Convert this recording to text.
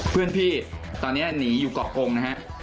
เพื่อนพี่ตอนนี้หนีอยู่เกาะกงนะฮะ